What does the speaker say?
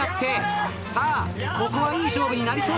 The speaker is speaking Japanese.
ここはいい勝負になりそうだぞ。